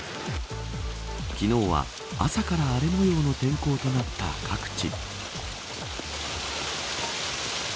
昨日は朝から荒れ模様の天候となった各地。